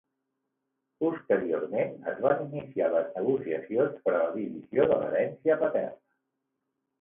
Posteriorment, es van iniciar les negociacions per a la divisió de l'herència paterna.